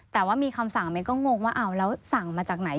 แต่ว่ามีคำสั่งเมก็งกว่าสั่งมาจากไหน